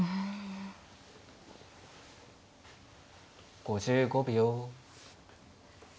５５秒。